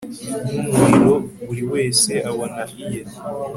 nk'umuriro, buri wese abona iye